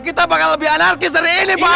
kita bakal lebih anarkis dari ini pak